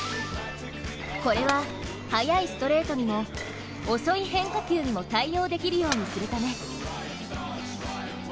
これは速いストレートにも遅い変化球にも対応できるようにするため。